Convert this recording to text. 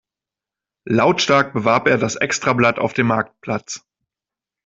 Lautstark bewarb er das Extrablatt auf dem Marktplatz.